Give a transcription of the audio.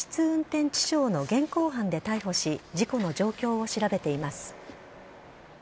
運転致傷の現行犯で逮捕し、事故の状況を調べています。